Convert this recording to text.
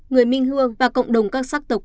người minh hương và cộng đồng các sắc tộc